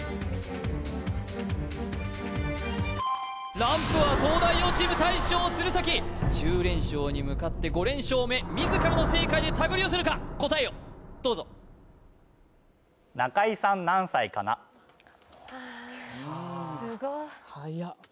ランプは東大王チーム大将・鶴崎１０連勝に向かって５連勝目自らの正解でたぐり寄せるか答えをどうぞすごいすごっ・はやっ